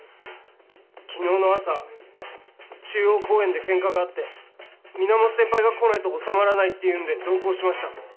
昨日の朝中央公園でケンカがあって源先輩が来ないと収まらないっていうんで同行しました。